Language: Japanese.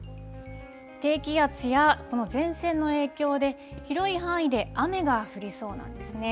低気圧やこの前線の影響で、広い範囲で雨が降りそうなんですね。